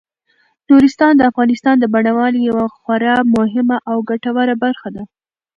نورستان د افغانستان د بڼوالۍ یوه خورا مهمه او ګټوره برخه ده.